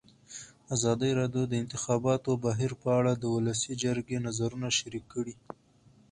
ازادي راډیو د د انتخاباتو بهیر په اړه د ولسي جرګې نظرونه شریک کړي.